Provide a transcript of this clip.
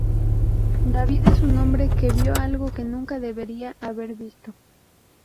David es un hombre que vio algo que nunca debería haber visto.